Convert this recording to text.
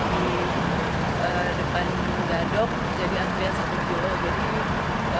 di depan gadok jadi antrian satu kilo